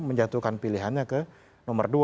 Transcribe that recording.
menjatuhkan pilihannya ke nomor dua